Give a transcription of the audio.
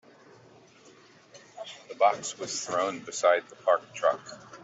The box was thrown beside the parked truck.